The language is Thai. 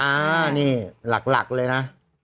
อันนี้หลักเลยนะ